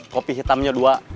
kopi hitamnya dua